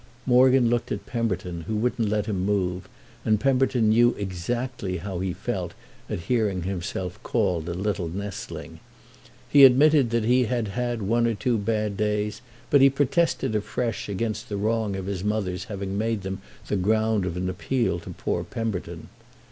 Morgan looked at Pemberton, who wouldn't let him move; and Pemberton knew exactly how he felt at hearing himself called a little nestling. He admitted that he had had one or two bad days, but he protested afresh against the wrong of his mother's having made them the ground of an appeal to poor Pemberton.